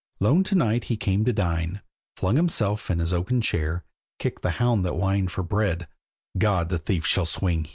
Lone to night he came to dine, Flung himself in his oaken chair, Kicked the hound that whined for bread; "God! the thief shall swing!"